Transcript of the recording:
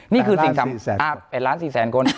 นี่คือสิ่งทำ๑ล้าน๔แสนคน